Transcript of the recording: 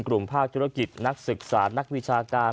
ภาคธุรกิจนักศึกษานักวิชาการ